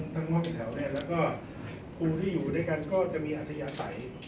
ทั้งห้องแถวแล้วก็ครูที่อยู่ด้วยกันก็จะมีอัธยาศัย